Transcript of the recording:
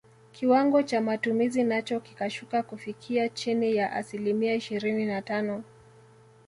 Kiwango cha matumizi nacho kikashuka kufikia chini ya asilimia ishirini na tano